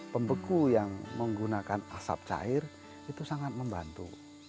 pembeku yang menggunakan asap cair itu sangat membantu